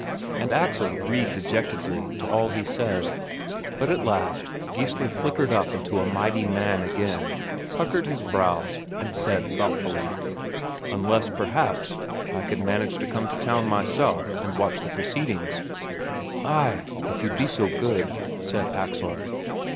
And Axel agreed dejectedly to all he said. But at last Geissler flickered up into a mighty man again, puckered his brows, and said thoughtfully: "Unless, perhaps, I could manage to come to town myself and watch the proceedings." "Ay, if you'd be so good," said Axel.